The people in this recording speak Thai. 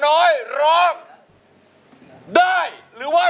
ใจจะขาดแล้วเอ้ย